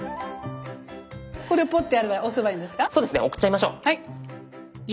これをポッてやれば押せばいいんですか？